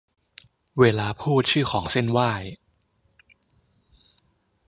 เวลาพูดชื่อของเซ่นไหว้